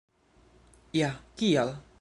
Ja kial?